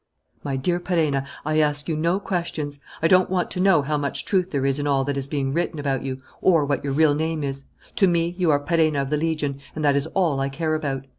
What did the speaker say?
"My dear Perenna, I ask you no questions. I don't want to know how much truth there is in all that is being written about you, or what your real name is. To me, you are Perenna of the Legion, and that is all I care about.